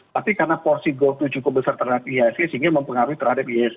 tapi karena porsi gotoh cukup besar terhadap ihsg sehingga mempengaruhi terhadap ihsg